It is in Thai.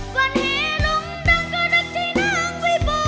ก็น้อยมากหล่ะ